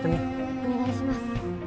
お願いします。